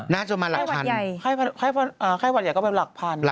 แล้วไข้วัดใหญ่เท่าไรนะ